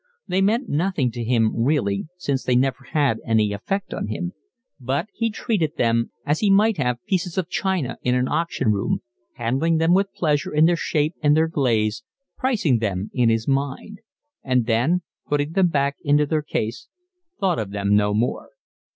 They meant nothing to him really, since they never had any effect on him; but he treated them as he might have pieces of china in an auction room, handling them with pleasure in their shape and their glaze, pricing them in his mind; and then, putting them back into their case, thought of them no more.